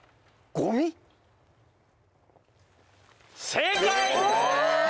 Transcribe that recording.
正解！